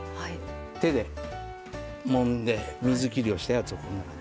手でもんで水きりをしたやつをこの中に。